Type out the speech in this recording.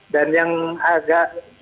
dan yang agak